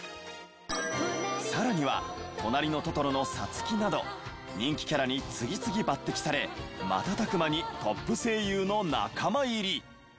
更には『となりのトトロ』のサツキなど人気キャラに次々抜擢され瞬く間にトップ声優の仲間入り！